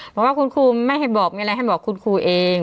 บอกว่าคุณครูไม่ให้บอกมีอะไรให้บอกคุณครูเอง